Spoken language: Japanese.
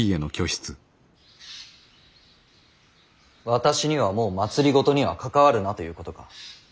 私にはもう政には関わるなということか。